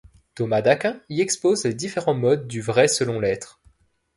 Thomas d'Aquin y expose les différents modes du vrai selon l'être.